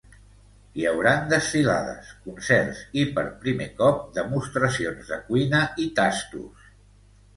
Hi hauran desfilades, concerts i, per primer cop, demostracions de cuina i tastos.